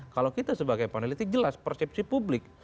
kalau kita sebagai peneliti jelas persepsi publik